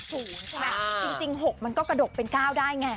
จริง๖มันก็กระดกเป็น๙ได้ไง